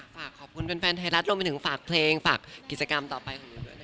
ฝากขอบคุณแฟนไทยรัฐรวมไปถึงฝากเพลงฝากกิจกรรมต่อไปของหนูด้วย